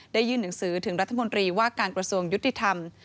ยื่นหนังสือถึงรัฐมนตรีว่าการกระทรวงยุติธรรม